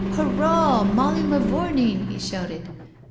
" Hurrah, Molly mavoumeen I *' he shouted.